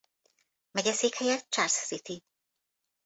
Megyeszékhelye Charles City.